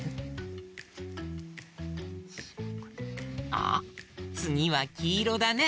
あっつぎはきいろだね。